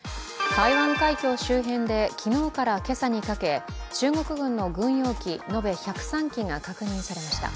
台湾海峡周辺で昨日から今朝にかけ中国軍の軍用機延べ１０３機が確認されました。